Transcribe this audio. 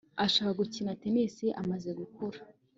Ashaka gukina tennis amaze gukura